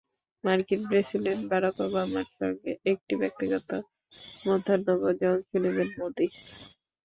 মার্কিন president Barack ওবামার সঙ্গে একটি ব্যক্তিগত মধ্যাহ্নভোজে অংশ নেবেন মোদি।